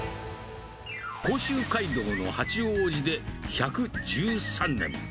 甲州街道の八王子で１１３年。